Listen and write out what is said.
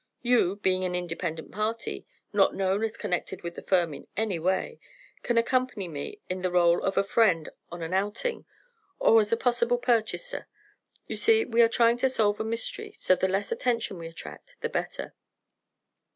You, being an independent party, not known as connected with the firm in any way, can accompany me in the rôle of a friend on an outing, or as a possible purchaser. You see, we are trying to solve a mystery, so the less attention we attract the better."